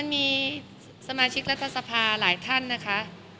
มีสมาชิกรัฐสภาหลายท่านนะคะ